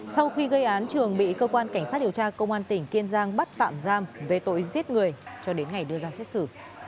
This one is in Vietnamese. sau khi gây án trường bị cơ quan cảnh sát điều tra công an tỉnh kiên giang bắt tạm giam về tội giết người cho đến ngày đưa ra xét xử